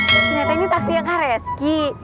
ternyata ini taksi ya kak reski